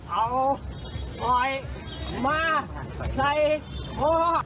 เอาสร้อยมาใส่ท่อ